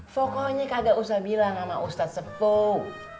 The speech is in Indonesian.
pokoknya kagak usah bilang sama ustadz sepuh